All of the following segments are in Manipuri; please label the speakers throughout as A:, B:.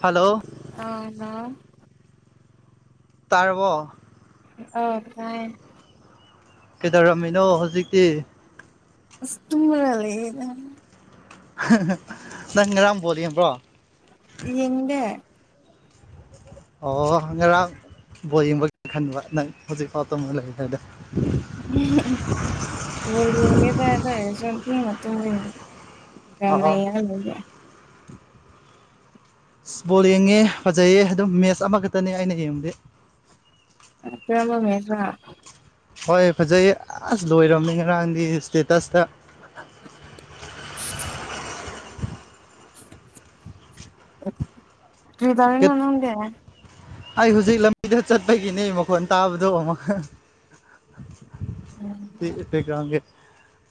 A: ꯍꯜꯂꯣ
B: ꯑꯅꯥ
A: ꯇꯥꯔꯕꯣ
B: ꯑꯧ ꯇꯥꯏꯌꯦ
A: ꯀꯩꯗꯧꯔꯝꯃꯤꯅꯣ ꯍꯧꯖꯤꯛꯇꯤ
B: ꯑꯁ ꯇꯨꯝꯔꯒ ꯂꯩꯌꯦ ꯅꯪ
A: [unintelligible] ꯅꯪ ꯉꯔꯥꯡ ꯕꯣꯜ ꯌꯦꯡꯕ꯭ꯔꯣ
B: ꯌꯦꯡꯗꯦ
A: ꯑꯣ ꯉꯔꯥꯡ ꯕꯣꯜ ꯌꯦꯡꯕꯒꯤ ꯈꯟꯕ ꯅꯪ ꯍꯧꯖꯤꯛ ꯐꯥꯎ ꯇꯨꯝꯃ ꯂꯩꯔꯤꯗꯣ ꯑꯣ
B: [unintelligible]
A: ꯕꯣꯜ ꯌꯦꯡꯉꯦ ꯐꯖꯩꯌꯦ ꯑꯗꯨꯝ ꯃꯦꯠꯁ ꯑꯃꯈꯛꯇꯅꯦ ꯑꯩꯅ ꯌꯦꯡꯕꯗꯤ
B: ꯀꯔꯝꯕ ꯃꯦꯁꯔꯥ
A: ꯍꯣꯏ ꯐꯖꯩꯌꯦ ꯑꯁ ꯂꯣꯏꯔꯝꯃꯦ ꯉꯔꯥꯡꯗꯤ ꯏꯁꯇꯦꯇꯁꯇ
B: [inaudible] ꯀꯔꯤ ꯇꯧꯔꯤꯅꯣ
A: ꯀꯠ
B: ꯅꯪꯗꯤ
A: ꯑꯩ ꯍꯧꯖꯤꯛ ꯂꯝꯕꯤꯗ ꯆꯠꯄꯒꯤꯅꯦ ꯃꯈꯣꯟ ꯇꯥꯕꯗꯣ ꯑꯃꯨꯛ ꯕꯦꯛ ꯕꯦꯛꯒ꯭ꯔꯥꯎꯟꯒꯤ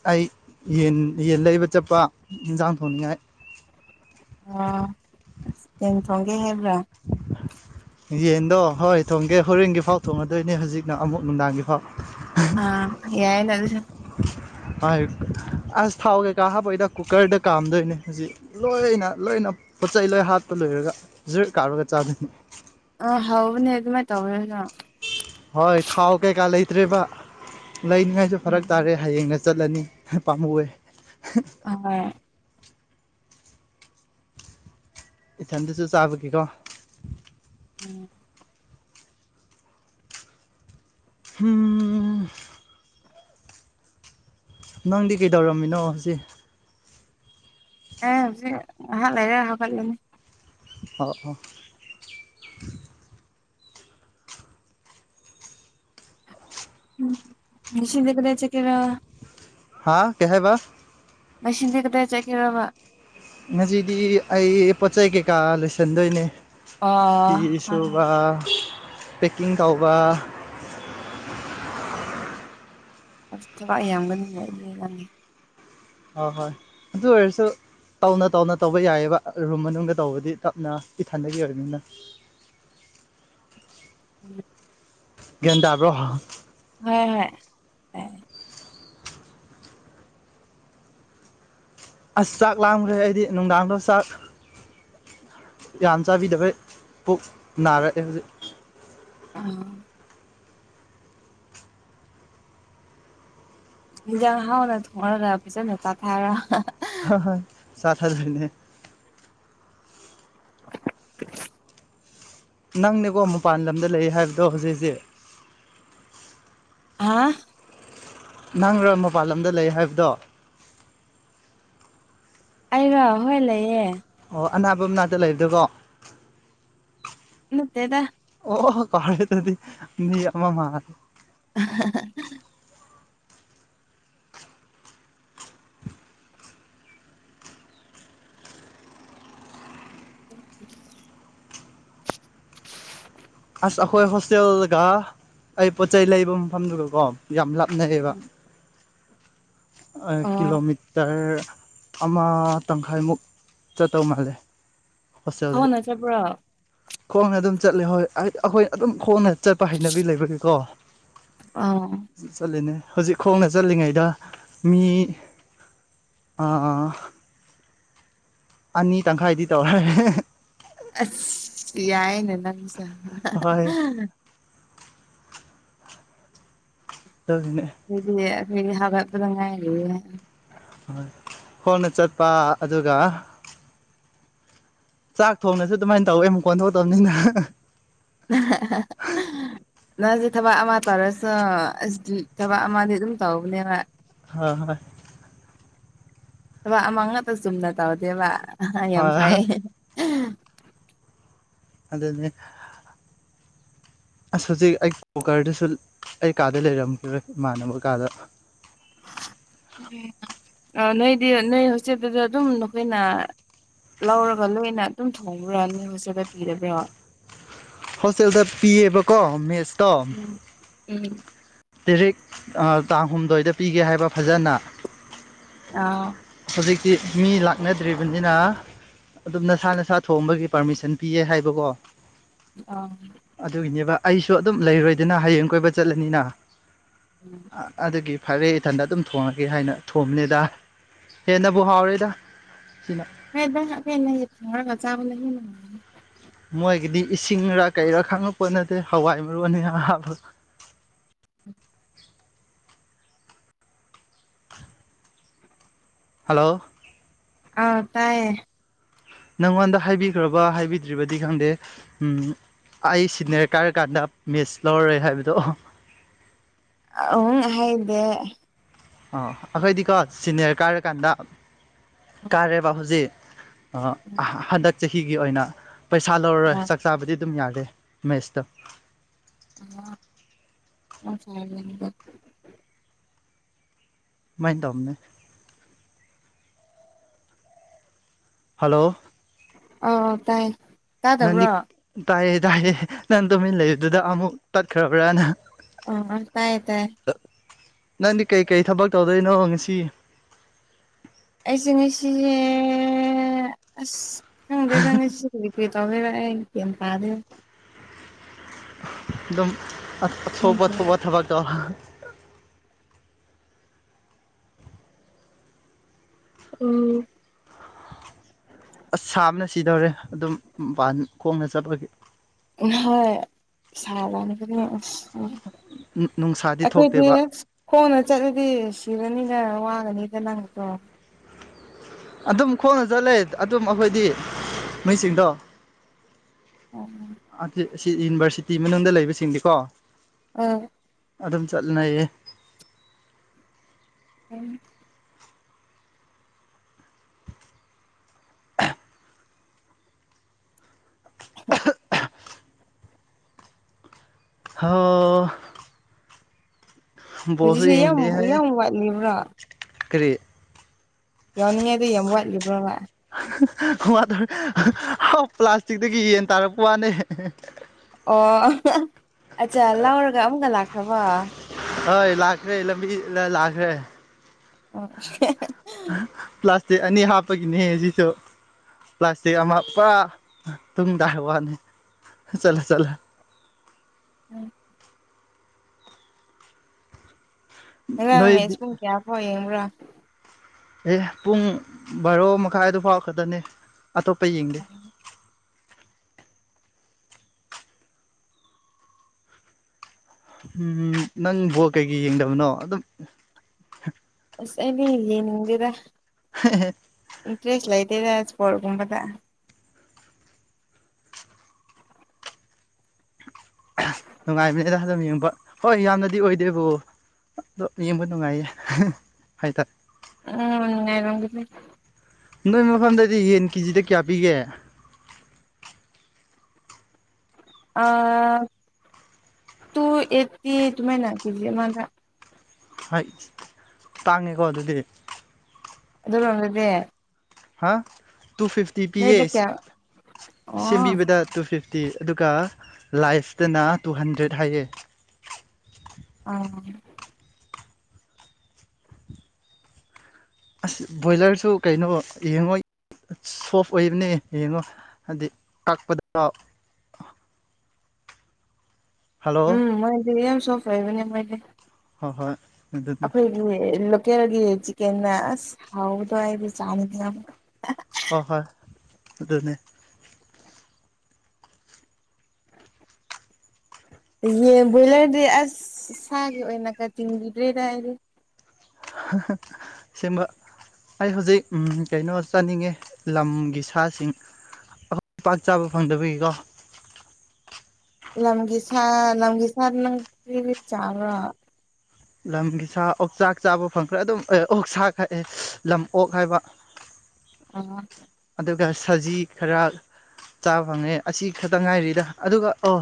A: ꯑꯩ ꯌꯦꯟ ꯌꯦꯟ ꯂꯩꯕ ꯆꯠꯄ ꯍꯤꯟꯖꯥꯡ ꯊꯣꯡꯅꯤꯡꯉꯥꯏ
B: ꯑꯥ ꯌꯦꯟ ꯊꯣꯡꯒꯦ ꯍꯥꯏ
A: ꯌꯦꯟꯗꯣ ꯍꯣꯏ ꯊꯣꯡꯒꯦ ꯍꯣꯔꯦꯟꯒꯤ ꯐꯥꯎ ꯊꯣꯡꯉꯗꯣꯏꯅꯦ ꯍꯧꯖꯤꯛꯅ ꯑꯃꯨꯛ ꯅꯨꯡꯗꯥꯡꯒꯤ ꯐꯥꯎ
B: ꯑꯥ ꯌꯥꯏꯅ ꯑꯗꯨꯁꯨ
A: ꯑꯥꯏꯐ ꯑꯁ ꯊꯥꯎ ꯀꯩꯀꯥ ꯍꯥꯞꯄꯣꯏꯗ ꯀꯨꯀꯔꯗ ꯀꯥꯝꯗꯣꯏꯅꯦ ꯍꯧꯖꯤꯛ ꯂꯣꯏꯅ ꯂꯣꯏꯅ ꯄꯣꯠ ꯆꯩꯩ ꯂꯣꯏ ꯍꯥꯞꯄ ꯂꯣꯏꯔꯒ ꯖꯔ ꯀꯥꯝꯃꯒ ꯆꯥꯗꯣꯏꯅꯤ
B: ꯑꯥ ꯍꯥꯎꯕꯅꯦ ꯑꯗꯨ ꯃꯥꯥꯏ ꯇꯧꯔꯒ
A: ꯍꯣꯏ ꯊꯥꯎ ꯀꯩꯀꯥ ꯂꯩꯇ꯭ꯔꯦꯕ ꯂꯩꯅꯤꯉꯥꯏꯁꯨ ꯐꯔꯛ ꯇꯥꯔꯦ ꯍꯌꯦꯡꯁꯤ ꯆꯠꯂꯅꯤ ꯄꯥꯝꯃꯨꯏ
B: ꯑꯥ
A: ꯏꯊꯟꯇꯁꯨ ꯆꯥꯕꯒꯤꯀꯣ
B: ꯎꯝ
A: ꯍꯨꯝ ꯅꯪꯗꯤ ꯀꯩꯗꯧꯔꯝꯃꯤꯅꯣ ꯍꯧꯖꯤꯛ
B: [unintelligible]
A: [inaudible]
B: ꯎꯝ ꯉꯁꯤꯗꯤ ꯀꯗꯥꯏ ꯆꯠꯇꯣꯏꯅꯣ
A: ꯍꯥꯥ ꯀꯩꯍꯥꯏꯕ
B: ꯉꯁꯤꯗꯤ ꯀꯗꯥꯏ ꯆꯠꯀꯦꯔꯕ
A: ꯉꯁꯤꯗꯤ ꯑꯩ ꯄꯣꯠ ꯆꯩ ꯀꯩꯀꯥ ꯂꯣꯏꯁꯟꯗꯣꯏꯅꯦ
B: ꯑꯣ ꯍꯣꯏ ꯍꯣꯏ
A: ꯐꯤꯁꯨꯕꯥ ꯄꯦꯛꯀꯤꯡ ꯇꯧꯕ
B: ꯑꯁ ꯊꯕꯛ ꯌꯥꯝꯒꯅꯤꯅꯦ ꯑꯗꯨꯗꯤ ꯅꯪ
A: ꯍꯣꯏ ꯑꯗꯨ ꯑꯣꯏꯔꯁꯨ ꯇꯧꯅ ꯇꯧꯅ ꯇꯧꯕ ꯌꯥꯏꯑꯦꯕ ꯔꯨꯝ ꯃꯅꯨꯡꯗ ꯇꯧꯕꯗꯤ ꯇꯞꯅ ꯏꯊꯟꯗꯒꯤ ꯑꯣꯏꯔꯕꯅꯤꯅ
B: ꯎꯝ
A: [unintelligible]
B: ꯍꯣꯏ
A: ꯑꯁ ꯆꯥꯛ ꯂꯥꯝꯈ꯭ꯔꯦ ꯑꯩꯗꯤ ꯅꯨꯡꯗꯥꯡꯗꯣ ꯆꯥꯛ ꯌꯥꯝ ꯆꯥꯕꯤꯗꯕꯩ ꯄꯨꯛ ꯅꯥꯔꯛ ꯑꯦ ꯍꯧꯖꯤꯛ
B: ꯑ ꯑꯦꯟꯖꯥꯡ ꯍꯥꯎꯅ ꯊꯣꯡꯉꯒ ꯐꯖꯅ ꯆꯥꯊꯔꯣ
A: ꯍꯣꯏ ꯆꯥꯊꯗꯣꯏꯅꯦ
B: [inaudible]
A: ꯅꯪꯅꯦꯀꯣ ꯃꯄꯜ ꯂꯝꯗ ꯂꯩ ꯍꯥꯏꯕꯗꯣ ꯍꯧꯖꯤꯛ ꯍꯧꯖꯤꯛ
B: ꯑꯥ
A: ꯅꯪꯔꯥ ꯃꯄꯜ ꯂꯝꯗ ꯂꯩ ꯍꯥꯏꯕꯗꯣ
B: ꯑꯩꯔ ꯍꯣꯏ ꯂꯩꯌꯦ
A: ꯑꯣ ꯑꯅꯥꯕ ꯃꯅꯥꯛꯇ ꯂꯩꯕꯗꯨꯕꯣ
B: ꯅꯠꯇꯦꯗ
A: ꯑꯣ ꯀꯥꯎꯔꯦ ꯑꯗꯨꯗꯤ ꯃꯤ ꯑꯃꯥ ꯃꯥ
B: [inaudible] [inaudible]
A: ꯑꯁ ꯑꯩꯈꯣꯏ ꯍꯣꯁꯇꯦꯜꯒ ꯑꯩ ꯄꯣꯠꯆꯩ ꯂꯩꯕ ꯃꯐꯝꯗꯨꯒ ꯌꯥꯝ ꯂꯥꯞꯅꯩ ꯅꯛꯑꯦꯕ ꯑ
B: ꯑꯣ
A: ꯀꯤꯂꯣꯃꯤꯇꯔ ꯑꯃꯥ ꯇꯪꯈꯥꯏꯃꯨꯛ ꯆꯠꯇꯧ ꯃꯂꯦ
B: ꯈꯣꯡꯅ ꯆꯠꯄꯔꯣ
A: ꯈꯣꯡꯅ ꯑꯗꯨꯝ ꯆꯠꯂꯦ ꯍꯣꯏ ꯑꯈꯣꯏꯗꯤ ꯑꯗꯨꯝ ꯈꯣꯡꯅ ꯆꯠꯄꯒꯤ ꯍꯩꯅꯕꯤ ꯂꯩꯕꯒꯤꯅꯦ꯫
B: ꯑꯣ
A: ꯆꯠꯂꯤꯅꯦ ꯍꯧꯖꯤꯛ ꯈꯣꯡꯅ ꯆꯠꯂꯤꯉꯩꯗ ꯃꯤ ꯑꯥ ꯑꯅꯤ ꯇꯪꯈꯥꯏꯗꯤ ꯇꯧꯔꯦ
B: ꯑꯁ ꯌꯥꯏꯅꯦ ꯅꯪ ꯁꯦ
A: ꯍꯣꯏ ꯇꯧꯔꯤꯅꯦ
B: [unintelligible] ꯍꯧꯒꯠꯄꯗ ꯉꯥꯏꯔꯤꯌꯦ
A: ꯈꯣꯡꯅ ꯆꯠꯄ ꯑꯗꯨꯒ ꯆꯥꯛ ꯊꯣꯡꯅꯁꯨ ꯑꯗꯨꯝꯃꯥꯏ ꯇꯧꯋꯦ ꯃꯈꯣꯟ ꯊꯣꯛꯇꯝꯅꯤꯅ
B: [unintelligible] ꯅꯪꯁꯦ ꯊꯕꯛ ꯑꯃ ꯇꯧꯔꯁꯨ‌ [unintelligible] ꯊꯕꯛ ꯑꯃꯗꯤ ꯑꯗꯨꯝ ꯇꯧꯕꯅꯦꯕ
A: ꯑ ꯍꯣꯏ
B: ꯊꯕꯛ ꯑꯃ ꯉꯥꯛꯇ ꯆꯨꯝꯅ ꯇꯧꯗꯦꯕ ꯌꯥꯝ
A: ꯍꯣꯏ
B: ꯐꯩ
A: ꯑꯗꯨꯅꯦ ꯑꯁ ꯍꯧꯖꯤꯛ ꯑꯩ ꯀꯨꯀꯔꯗꯨꯁꯨ ꯑꯩ ꯀꯥꯗ ꯂꯩꯔꯝ [unintelligible] ꯏꯃꯥꯟꯅꯕ ꯀꯥꯗ
B: ꯑꫭ ꯅꯣꯏꯗꯤ ꯅꯣꯏ ꯍꯣꯁꯇꯦꯜꯗꯨꯗ ꯑꯗꯨꯝ ꯅꯈꯣꯏꯅ ꯂꯧꯔꯒ ꯂꯣꯏꯅ ꯑꯗꯨꯝ ꯊꯣꯡꯕ꯭ꯔ ꯅꯣꯏ ꯍꯣꯁꯇꯦꯜꯗ ꯄꯤꯗꯕ꯭ꯔ
A: ꯍꯣꯁꯇꯦꯜꯗ ꯄꯤꯌꯦꯕꯀꯣ ꯃꯦꯁꯇꯣ
B: ꯎꯝ ꯎꯝ
A: ꯗꯤꯔꯦꯛ ꯑ ꯇꯥꯡ ꯍꯨꯝꯗꯣꯏꯗ ꯄꯤꯒꯦ ꯍꯥꯏꯕ ꯐꯖꯅ
B: ꯑꯥ
A: [unintelligible] ꯃꯤ ꯂꯥꯛꯅꯗ꯭ꯔꯤꯕꯅꯤꯅ ꯑꯗꯨꯝ ꯅꯁꯥ ꯅꯁꯥ ꯊꯣꯡꯕꯒꯤ ꯄꯥꯔꯃꯤꯁꯟ ꯄꯤꯌꯦ ꯍꯥꯏꯕꯀꯣ
B: ꯑ
A: ꯑꯗꯨꯒꯤꯅꯦꯕ ꯑꯩꯁꯨ ꯑꯗꯨꯝ ꯂꯩꯔꯣꯏꯗꯅ ꯍꯌꯦꯡ ꯀꯣꯏꯕ ꯆꯠꯂꯅꯤꯅ ꯑꯗꯨꯒꯤ ꯐꯔꯦ ꯏꯊꯟꯗ ꯑꯗꯨꯝ ꯊꯣꯡꯉꯒꯦ ꯍꯥꯏꯅ ꯊꯣꯝꯅꯤꯗ ꯍꯦꯟꯅꯕꯨ ꯍꯥꯎꯔꯦꯗ ꯁꯤꯅ
B: [unintelligible] ꯆꯥꯕꯅ ꯍꯦꯟꯅ
A: ꯃꯣꯏꯒꯤꯗꯤ ꯏꯁꯤꯡꯔ ꯀꯩꯔ‌ ꯈꯪꯉꯛꯄꯣꯠ ꯅꯠꯇꯦ ꯍꯋꯥꯏ ꯃꯔꯨ ꯑꯅꯤ ꯍꯥꯞꯄ
B: [inaudible]
A: ꯍꯜꯂꯣ
B: ꯑꯧ ꯇꯥꯏꯌꯦ
A: ꯅꯪꯉꯣꯟꯗ ꯍꯥꯏꯕꯤꯈ꯭ꯔꯕ ꯍꯥꯏꯕꯤꯗ꯭ꯔꯤꯕꯗꯤ ꯈꯪꯗꯦ ꯎꯝ ꯑꯩ ꯁꯤꯅꯦꯔ ꯀꯥꯔ ꯀꯥꯟꯗ ꯃꯦꯁ ꯂꯧꯔꯔꯣꯏ ꯍꯥꯏꯕꯗꯣ
B: [unintelligible] ꯍꯥꯏꯗꯦ
A: ꯑꯣ ꯑꯈꯣꯏꯗꯤꯀꯣ ꯁꯤꯅꯤꯌꯔ ꯀꯥꯔꯀꯥꯟꯗ ꯀꯥꯔꯦꯕ ꯍꯧꯖꯤꯛ ꯑꫭ ꯍꯟꯗꯛ ꯆꯍꯤꯒꯤ ꯑꯣꯏꯅ ꯄꯩꯁꯥ ꯂꯧꯔꯔꯣꯏ
B: ꯑꯥ
A: ꯆꯥꯛ ꯆꯥꯕꯗꯤ ꯑꯗꯨꯝ ꯌꯥꯔꯦ ꯃꯦꯁꯇꫭ
B: ꯑꯃ [unintelligible]
A: ꯃꯥꯏꯟ ꯇꯧꯕꯅꯦ ꯍꯜꯂꯣ
B: ꯑ ꯇꯥꯏꯌꯦ
A: ꯅꯪꯗꯤ ꯇꯥꯏꯌꯦꯗ ꯍꯥꯏꯌꯦ ꯅꯪ ꯇꯨꯃꯤꯟ ꯂꯩꯕꯗꯨꯗ ꯑꯃꯨꯛ ꯇꯠꯈ꯭ꯔꯕ꯭ꯔꯅ
B: ꯑꫭ ꯑꫭ ꯇꯥꯏ ꯇꯥꯏ
A: ꯅꯪꯗꯤ ꯀꯩꯀꯩ ꯊꯕꯛ ꯇꯧꯗꯣꯏꯅꯣ ꯉꯁꯤ
B: ꯑꯩꯁꯦ ꯉꯁꯤꯁꯦ ꯑꯁ ꯈꯪꯗꯦꯗ ꯉꯁꯤꯗꯤ ꯀ꯭ꯔꯤ ꯇꯧꯗꫭꯏꯅꫭ ꯑꯩ ꯒ꯭ꯌꯥꯟ ꯇꯥꯗꯦ
A: ꯑꯗꯨꯝ [unintelligible] ꯊꯕꯛ ꯊꯕꯛꯇꫭ [unintelligible]
B: ꯎꯝ
A: ꯑꯁ ꯁꯥꯝꯅ ꯁꯤꯗꯧꯔꯦ ꯑꯗꯨꯝ ꯃꯄꯥꯟ ꯈꯣꯡꯅ ꯆꯠꯄꯒꯤ
B: ꯍꯣꯏ ꯁꯥꯔꯝꯒꯅꯤ
A: ꯎꯝ
B: ꯑꯈꯣꯏꯗꯤ ꯈꯣꯡꯅ ꯆꯠꯂꯗꯤ ꯁꯤꯔꯅꯤꯗ ꯋꯥ ꯒꯅꯤꯗꯅ ꯑꯗꯣ
A: ꯑꯗꯨꯝ ꯈꯣꯡꯅ ꯆꯠꯂꯦ ꯑꯗꯨꯝ ꯑꯈꯣꯏꯗꯤ ꯅꯣꯏ ꯁꯤꯡꯗꯣ ꯑꯁꯤ ꯌꯨꯅꯤꯚꯔꯁꯤꯇꯤ ꯃꯅꯨꯡꯗ ꯂꯩꯕꯁꯤꯡꯗꯤꯀꯣ
B: ꯑꯝ
A: ꯑꯗꯨꯝ ꯆꯠꯅꯩꯌꯦ
B: ꯎꯝ [unintelligible]
A: ꯍꯣ ꯕꯣꯜꯁꯨ
B: ꯍꯧꯖꯤꯛꯁꯦ ꯌꯥꯝ
A: ꯌꯦꯡꯗꯦ ꯍꯥꯏꯌꯦ
B: ꯌꯥꯝ ꯋꯥꯠꯂꯤꯕ꯭ꯔꯣ
A: ꯀꯔꯤ
B: ꯌꯥꯎꯅꯤꯡꯉꯥꯏꯗꯣ ꯌꯥꯝ ꯋꯥꯠꯂꯤꯕ꯭ꯔꯣꯕ
A: ꯋꯥꯇꯔ ꯄ꯭ꯂꯥꯁꯇꯤꯛꯇꯒꯤ ꯌꯦꯟ ꯇꯥꯔꯛꯄ ꯋꯥꯅꯦ
B: ꯑꯣ ꯑꯠꯆꯥ ꯂꯥꯎꯔꯒ ꯑꯃꯨꯛꯀ ꯂꯥꯛꯈ꯭ꯔꯕ
A: ꯍꯣꯏ ꯂꯥꯛꯈ꯭ꯔꯦ ꯂꯝꯕꯤ ꯂꯥꯛꯈ꯭ꯔꯦ
B: ꯑꯣꯈꯦ
A: ꯄ꯭ꯂꯥꯁꯇꯤꯛ ꯑꯅꯤ ꯍꯥꯞꯄꯒꯤꯅꯦ ꯁꯤꯁꯨ ꯄ꯭ꯂꯥꯁꯇꯤꯛ ꯑꯃ ꯄꯨꯔꯥ ꯇꯨꯡꯗ ꯋꯥꯅꯤ ꯆꯠꯂ ꯆꯠꯂ
B: ꯎꯝ ꯉꯥꯔꯡ
A: ꯅꯣꯏꯗꯤ
B: ꯃꯦꯠꯁ ꯄꯨꯡ ꯀꯌꯥꯐꯥꯎ ꯌꯦꯡꯕ꯭ꯔ
A: ꯑꯦ ꯄꯨꯡ ꯕꯥꯔꯣ ꯃꯈꯥꯏꯑꯗꯨ ꯐꯥꯎ ꯈꯛꯇꯅꯦ ꯑꯇꯣꯞꯄ ꯌꯦꯡꯗꯦ ꯎꯝ ꯅꯪ ꯕꯣꯜ ꯀꯩꯒꯤ ꯌꯦꯡꯗꯕꯅꯣ ꯑꯗꯨꯝ
B: ꯑꯁ ꯑꯩꯗꯤ ꯌꯦꯅꯤꯡꯗꯦꯗ ꯏꯟꯇ꯭ꯔꯦꯁ ꯂꯩ ꯇꯦꯗ ꯏꯄꯣꯔꯠꯒꯨꯝꯕꯗ
A: ꯅꯨꯡꯉꯥꯏꯕꯅꯦꯗ ꯑꯗꯨꯝ ꯌꯦꯡꯕ ꯍꯣꯏ ꯌꯥꯝꯅꯗꯤ ꯑꯣꯏꯗꯦꯕꯣ ꯑꯗꯣ ꯌꯦꯡꯕ ꯅꯨꯡꯉꯥꯏ ꯍꯥꯏꯇꯔꯦ
B: ꯎꯝ ꯅꯨꯡꯉꯥꯏꯔꯝꯒꯅꯤ
A: ꯅꯣꯏ ꯃꯐꯝꯗꯗꯤ ꯌꯦꯟ ꯀꯦꯖꯤꯗ ꯀꯌꯥ ꯄꯤꯒꯦ
B: ꯑꯥ ꯇꯨ ꯑꯦꯠꯇꯤ ꯗꯨꯃꯥꯏꯅ ꯀꯦꯖꯤ ꯑꯃꯗ
A: ꯍꯥꯠ ꯇꯡꯉꯦꯀꯣ ꯑꯗꯨꯗꯤ
B: ꯑꯗꯨꯔꯣꯝꯗꯗꯤ
A: ꯍꯥ ꯇꯨ ꯐꯤꯐꯇꯤ ꯄꯤꯌꯦ
B: ꯅꯣꯏꯗ ꯀꯌꯥ ꯑꯣ
A: ꯁꯦꯝꯕꯤꯕꯗ ꯇꯨ ꯐꯤꯐ ꯇꯤ ꯑꯗꯨꯒ ꯂꯥꯏꯐꯇꯅ ꯇꯨ ꯍꯟꯗ꯭ꯔꯦꯠ ꯍꯥꯏꯌꯦ
B: ꯑꯥ
A: ꯑꯁ ꯕꯣꯏꯂꯔꯁꯨ ꯀꯩꯅꯣ ꯌꯦꯡꯉꯣꯏ ꯁꯣꯐ ꯑꯣꯏꯕꯅꯦ ꯌꯦꯡꯉꯣ ꯍꯥꯏꯗꯤ ꯀꯛꯄꯗ
B: [inaudible]
A: ꯍꯜꯂꯣ
B: ꯎꯝ ꯃꯣꯏꯗꯤ ꯌꯥꯝ ꯁꯣꯐ ꯑꯣꯏꯕꯅꯦ ꯃꯣꯏꯗꯤ
A: ꯍꯣꯏ ꯍꯣꯏ ꯑꯗꯨꯅꯦ
B: ꯑꯈꯣꯏꯒꯤ ꯂꯣꯀꯦꯜꯒꯤ ꯆꯤꯛꯀꯦꯟꯅ ꯑꯁ ꯍꯥꯎꯕꯗꯣ ꯑꯩꯗꯤ ꯆꯥꯅꯤꯡꯉꯦ ꯑꯃꯨꯛꯀ
A: ꯍꯣꯏ ꯍꯣꯏ ꯑꯗꯨꯅꯦ
B: [inaudible] ꯌꯦꯟ ꯕꯣꯏꯂꯔꯗꯤ ꯑꯁ ꯁꯥꯒꯤ ꯑꯣꯏꯅ ꯀ ꯆꯤꯡꯒꯤꯗ꯭ꯔꯦꯗ ꯑꯩꯗꯤ
A: ꯑꯁꯦꯡꯕ ꯑꯩ ꯍꯧꯖꯤꯛ ꯑꯝ ꯀꯩꯅꯣ ꯆꯥꯅꯤꯡꯉꯦ ꯂꯝꯒꯤ ꯁꯥꯁꯤꯡ ꯑꯩꯈꯣꯏ ꯄꯥꯛ ꯆꯥꯕ ꯐꯪꯗꯕꯒꯤꯀꯣ
B: ꯂꯝꯒꯤ ꯁꯥ ꯂꯝꯒꯤ ꯁꯥꯗꯤ ꯅꯪ ꯀꯔꯤꯒꯤ ꯆꯥꯕ꯭ꯔꯥ
A: ꯂꯝꯒꯤ ꯁꯥ ꯑꯣꯛ ꯆꯥꯛ ꯆꯥꯕ ꯐꯪꯈ꯭ꯔꯦ ꯑꯗꯨꯝ ꯑꯦ ꯑꯣꯛꯁꯥꯛꯑꯦ ꯂꯝ ꯑꯣꯛ ꯍꯥꯏꯕ
B: ꯑꯉꯥꯡ
A: ꯑꯗꯨꯒ ꯁꯖꯤ ꯈꯔ ꯆꯥꯕ ꯐꯪꯉꯦ ꯑꯁꯤ ꯈꯛꯇꯪ ꯉꯥꯏꯔꯤꯗ ꯑꯗꯨꯒ ꯑꯣ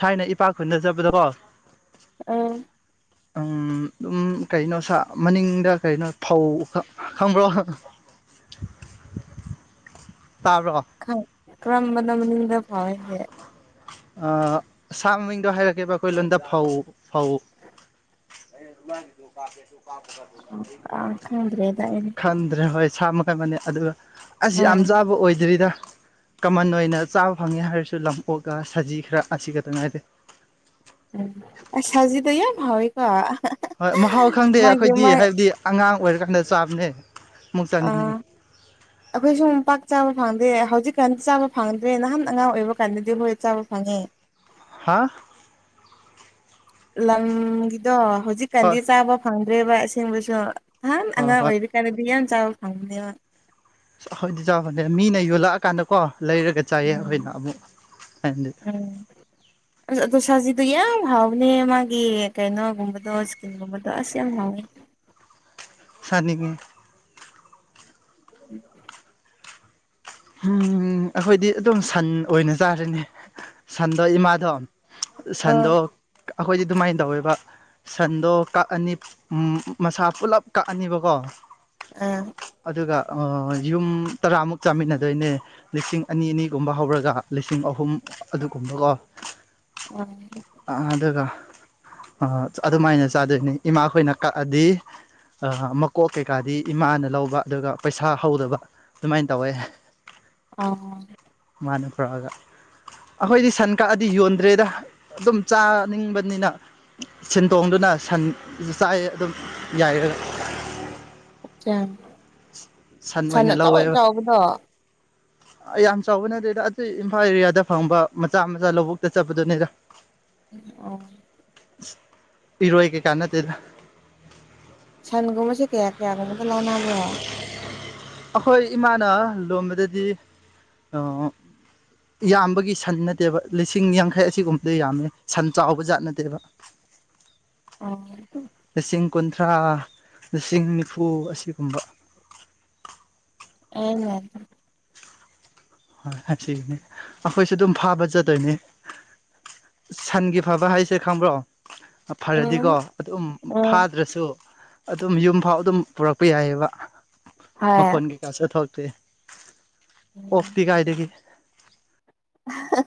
A: ꯊꯥꯏꯅ ꯏꯄꯥꯛ ꯈꯨꯟꯗ ꯆꯠꯄꯗꯀꯣ
B: ꯑꯣ
A: ꯑꯝ ꯑꯗꯨꯝ ꯀꯩꯅꯣ ꯁꯥ ꯃꯅꯤꯡꯗ ꯀꯩꯅꯣ ꯐꯧ ꯈꯛ ꯈꯪꯕ꯭ꯔꯣ
B: [inaudible]
A: ꯇꯥꯕ꯭ꯔꯣ
B: ꯀꯔꯝꯕꯅꯣ ꯃꯅꯤꯡꯗ ꯐꯧ ꯍꯥꯏꯗꯤ
A: ꯑꯥ ꯁꯥ ꯃꯃꯤꯡꯗꯣ ꯍꯥꯏꯔꯛꯀꯦꯕ ꯑꯩꯈꯣꯏ ꯂꯣꯟꯗ ꯐꯧ ꯐꯧ
B: ꯑ ꯈꯪꯗ꯭ꯔꯦꯗ ꯑꯩꯗꯤ
A: ꯈꯟꯗ꯭ꯔ ꯍꯣꯢ ꯁꯥ ꯃꯈꯟ ꯑꯃꯅꯦ ꯑꯗꯨꯒ ꯑꯁ ꯌꯥꯝ
B: ꯎꯝ
A: ꯆꯥꯕ ꯑꯣꯏꯗ꯭ꯔꯤꯗ ꯀꯃꯟ ꯑꯣꯏꯅ ꯆꯥꯕ ꯐꯪꯉꯦ ꯍꯥꯏꯔꯁꯨ ꯂꯝ ꯑꯣꯛꯒ ꯁꯖꯤ ꯈꯔ ꯑꯁꯤ ꯈꯛꯇ ꯉꯥꯏꯔꯦ
B: ꯎꯝ ꯁꯖꯤꯗꯣ ꯌꯥꯝ ꯍꯥꯎꯋꯦꯀꯣ
A: ꯍꯣꯏ ꯃꯍꯥꯎ ꯈꯪꯗꯦ ꯑꯩꯈꯣꯏꯗꯤ ꯍꯥꯏꯕꯗꯤ ꯑꯉꯥꯡ ꯑꯣꯏꯔꯀꯥꯟꯗ ꯆꯥꯕꯅꯦ ꯑꯃꯨꯛ
B: ꯑꯥ
A: ꯆꯥꯅꯤꯡꯉꯤ
B: ꯑꯩꯈꯣꯏꯁꯨ ꯄꯥꯛ ꯆꯥꯕ ꯐꯪꯗꯦ ꯍꯧ ꯖꯤꯛꯀꯥꯟꯗꯤ ꯆꯥꯕ ꯐꯪꯗ꯭ꯔꯦ ꯅꯍꯥꯟ ꯑꯉꯥꯡ ꯑꯣꯏꯕ ꯀꯥꯟꯗꯗꯤ ꯍꯣꯏ ꯆꯥꯕ ꯐꯪꯉꯦ
A: ꯍꯥ
B: ꯂꯝꯒꯤꯗꯣ
A: ꯍꯣꯏ
B: ꯍꯧꯖꯤꯛꯀꯥꯟꯗꯤ ꯆꯥꯕ ꯐꯪꯗ꯭ꯔꯦꯕ ꯑꯁꯦꯡꯕꯁꯨ ꯅꯍꯥꯟ
A: ꯍꯣꯏ
B: ꯑꯉꯥꯡ
A: ꯍꯣꯏ
B: ꯑꯣꯏꯔꯤ ꯀꯥꯟꯗꯗꯤ ꯌꯥꯝ ꯆꯥꯕ ꯐꯪꯕꯅꯦꯕ
A: ꯈꯣꯏꯗꯤ ꯆꯥꯕ ꯅꯠꯇꯦ ꯃꯤꯅ ꯌꯣꯜꯂꯛꯑꯀꯥꯟꯗ ꯀꯣ ꯂꯩꯔꯒ ꯆꯥꯏꯌꯦ
B: ꯎꯝ
A: ꯑꯩꯈꯣꯏꯅ ꯑꯃꯨꯛ ꯊꯥꯏꯅꯗꯤ
B: ꯗꯨ ꯌꯥꯝ ꯍꯥꯎꯕꯅꯦ ꯃꯥꯒꯤ ꯀꯩꯅꯣꯒꯨꯝꯕꯗꯣ ꯏꯁꯀꯤꯟꯒꯨꯝꯕꯗꯣ ꯑꯁ ꯌꯥꯝ ꯍꯥꯎꯏ [inaudible]
A: ꯁꯥꯅꯤꯡꯉꯦ
B: ꯎꯝ
A: ꯍꯝ ꯑꯩꯈꯣꯏꯗꯤ ꯑꯗꯨꯝ ꯁꯟ ꯑꯣꯏꯅ ꯆꯥꯔꯅꯤ ꯁꯟꯗꯣ ꯏꯃꯥꯗꯣ
B: ꯑ
A: ꯁꯟꯗꯣ ꯑꯩꯈꯣꯏꯗꯤ ꯑꯗꯨꯃꯥꯏꯅ ꯇꯧꯋꯦꯕ ꯁꯟꯗꯣ ꯀꯛꯑꯅꯤ ꯃꯁꯥ ꯄꯨꯂꯞ ꯀꯛꯑꯅꯤꯕꯀꯣ
B: ꯑꯥ
A: ꯑꯗꯨꯒ ꯑꯥ ꯌꯨꯝ ꯇꯔꯥꯃꯨꯛ ꯆꯥꯃꯤꯟꯅ ꯗꯣꯏꯅꯦ ꯂꯤꯁꯤꯡ ꯑꯅꯤ ꯑꯅꯤꯒꯨꯝꯕ ꯍꯧꯔꯒ ꯂꯤꯁꯤꯡ ꯑꯍꯨꯝ ꯑꯗꯨꯒꯨꯝꯕꯀꯣ
B: ꯑ
A: ꯑ ꯑꯗꯨꯒ ꯑ ꯑꯗꯨꯃꯥꯏꯅ ꯆꯥꯗꯣꯏꯅꯤ ꯏꯃꯥꯈꯣꯏꯅ ꯀꯛꯑꯗꯤ ꯑ ꯃꯀꯣꯛ ꯀꯩꯀꯥꯗꯤ ꯏꯃꯥꯅ ꯂꯧꯕ ꯑꯗꯨꯒ ꯄꯩꯁꯥ ꯍꯧꯗꯕ ꯑꯗꯨꯃꯥꯏꯅ ꯇꯧꯋꯦ
B: ꯑꯃ
A: ꯍꯥꯟꯅ ꯄꯨꯔꯛꯑꯒ ꯑꯈꯣꯏꯗꯤ ꯁꯟ ꯀꯥꯛꯑꯗꯤ ꯌꯣꯟꯗ꯭ꯔꯦꯗ ꯑꯗꯨꯝ ꯆꯥꯅꯤꯡꯕꯅꯤꯅ ꯁꯤꯟ ꯇꯣꯡꯗꯨꯅ ꯁꯟ ꯆꯥꯏꯌꯦ ꯑꯗꯨꯝ ꯌꯥꯏꯔꯒ
B: [inaudible] ꯑ ꯁꯟ
A: ꯑꯣꯏꯅ
B: ꯑꯆꯧ
A: ꯂꯧꯋꯦꯕ
B: ꯑꯆꯧꯕꯗꯣ
A: ꯌꯥꯝ ꯆꯥꯎꯕ ꯅꯠꯇꯦꯗ ꯑꯗꯨ ꯏꯝꯐꯥꯜ ꯑꯦꯔꯤꯌꯥꯗ ꯐꯪꯕ ꯃꯆꯥ ꯃꯆꯥ ꯂꯧꯕꯨꯛꯇ ꯆꯠꯄꯗꯨꯅꯤꯗ
B: ꯑꯣ
A: ꯏꯔꯣꯏ ꯀꯩꯀꯥ ꯅꯠꯇꯦꯗ
B: ꯁꯟꯒꯨꯝꯕꯁꯦ ꯀꯌꯥ ꯀꯌꯥꯒꯨꯝꯕꯗ ꯂꯧꯅꯕ꯭ꯔꯣ
A: ꯑꯩꯈꯣꯏ ꯏꯃꯥꯅ ꯂꯣꯟꯕꯗꯗꯤ ꯑꯥ ꯌꯥꯝꯕꯒꯤ ꯁꯟ ꯅꯠꯇꯦꯕ ꯂꯤꯁꯤꯡ ꯌꯥꯡꯈꯩ ꯑꯁꯤꯒꯨꯝꯕꯗ ꯌꯥꯝꯃꯦ ꯁꯟ ꯆꯥꯎꯕ ꯖꯥꯠ ꯅꯠꯇꯦꯕ
B: [inaudible]
A: ꯂꯤꯁꯤꯡ ꯀꯨꯟꯊ꯭ꯔꯥ ꯂꯤꯁꯤꯡꯅꯤꯐꯨ ꯂꯤꯁꯤꯡ ꯅꯤꯐꯨ ꯑꯁꯤꯒꯨꯝꯕ
B: ꯑꯩꯅꯦ
A: ꯍꯣꯏ ꯑꯁꯤꯅꯤ ꯑꯩꯈꯣꯏꯁꯨ ꯑꯗꯨꯝ ꯐꯥꯕ ꯆꯠꯇꯣꯏꯅꯦ ꯁꯟꯒꯤ ꯐꯕ ꯍꯥꯏꯁꯦ ꯈꯪꯕ꯭ꯔꯣ
B: ꯎꯝ
A: ꯐꯔꯗꯤꯀꯣ ꯑꯗꯨꯝ ꯐꯥꯗ꯭ꯔꯁꯨ ꯑꯗꯨꯝ ꯌꯨꯝ ꯐꯥꯎ ꯑꯗꯨꯝ ꯄꯨꯔꯛꯄ ꯌꯥꯏꯑꯦꯕ
B: ꯍꯣꯏ
A: ꯃꯈꯣꯟ ꯀꯩꯀꯥ ꯁꯨ ꯊꯣꯛ ꯐꯩꯌꯦ ꯑꯣꯛꯇꯤ ꯀꯥꯏꯗꯒꯤ
B: ꯍꯥ ꯍꯥ